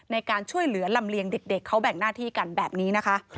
ในการช่วยเหลือลำเลียงเด็กเขาแบ่งหน้าที่กันแบบนี้นะคะ